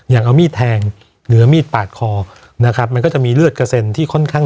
อย่างเอามีดแทงเหนือมีดปาดคอนะครับมันก็จะมีเลือดกระเซ็นที่ค่อนข้าง